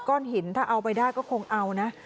ก้อนหินถ้าเอาไปได้ก็คงเอานะ